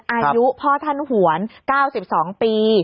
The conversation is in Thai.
อายุพ่อท่านหวน๙๒ปี